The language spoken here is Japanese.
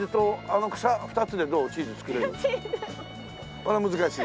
それは難しい？